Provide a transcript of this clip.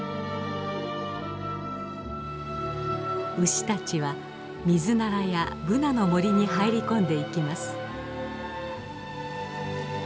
牛たちはミズナラやブナの森に入り込んでいきます。